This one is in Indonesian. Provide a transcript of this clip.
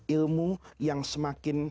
ilmu yang semakin